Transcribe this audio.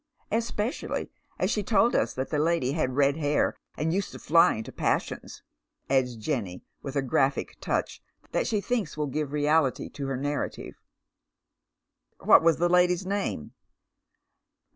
Especially as she told us that the lady had red hair and used to fly into passions," adds Jenny, with a graphic touch that she thinks will give reality to her narrative. " What was the lady's name